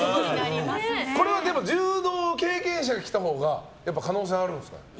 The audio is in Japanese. これはでも柔道経験者が来たほうがやっぱり可能性があるんですか。